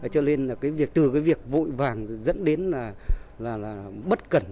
cho nên là từ cái việc vội vàng dẫn đến là bất cẩn